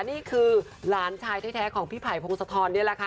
นี่คือหลานชายแท้ของพี่ไผ่พงศธรนี่แหละค่ะ